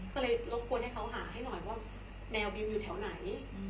ก็เลยรบกวนให้เขาหาให้หน่อยว่าแมวบิวอยู่แถวไหน